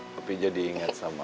tapi jadi inget sama